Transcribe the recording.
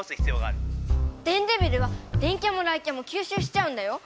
電デビルは電キャも雷キャもきゅうしゅうしちゃうんだよ！